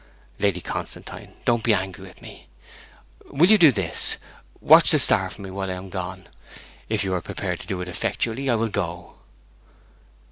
'Lady Constantine, don't be angry with me! Will you do this, watch the star for me while I am gone? If you are prepared to do it effectually, I will go.'